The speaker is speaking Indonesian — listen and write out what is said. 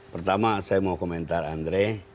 pertama saya mau komentar andre